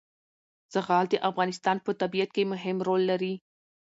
زغال د افغانستان په طبیعت کې مهم رول لري.